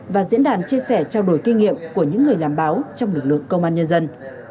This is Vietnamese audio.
và diễn đàn chia sẻ trao đổi kinh nghiệm của những người làm báo trong lực lượng công an nhân dân